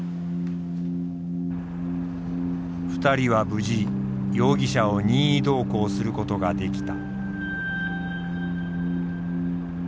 ２人は無事容疑者を任意同行することができた。